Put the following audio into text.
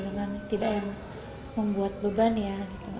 dengan tidak membuat beban ya gitu